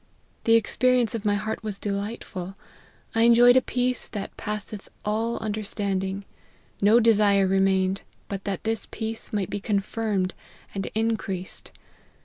The experience of my heart was delightful. I enjoyed a peace that passeth all understanding; no desire remained, but that this peace might be confirmed and increased.